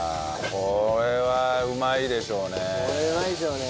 これはうまいですよね。